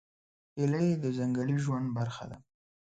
هیلۍ د ځنګلي ژوند برخه ده